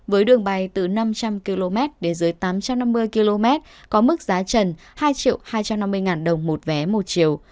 với đường bay từ năm trăm linh km đến dưới tám trăm năm mươi km có mức giá trần hai hai trăm năm mươi đồng một vé một chiều